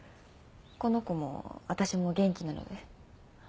この子も私も元気なので。